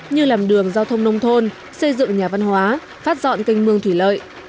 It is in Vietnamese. như làm đường giao thông nông thôn xây dựng nhà văn hóa phát dọn canh mương thủy lợi